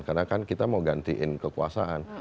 karena kan kita mau gantiin kekuasaan